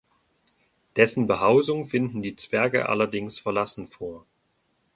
Dessen Behausung finden die Zwerge allerdings verlassen vor.